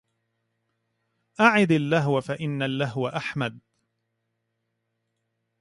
أعد اللهو فإن اللهو أحمد